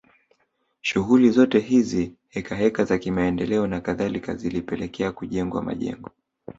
Shughuli zote hizi hekaheka za kimaendeleo na kadhalika zilipelekea kujengwa majengo